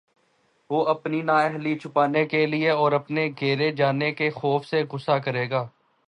وہ اپنی نااہلی چھپانے کے لیے اور اپنے گھیرے جانے کے خوف سے غصہ کرے گا